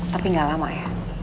tapi gak lama ya